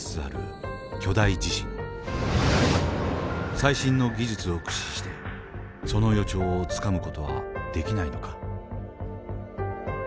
最新の技術を駆使してその予兆をつかむ事はできないのか。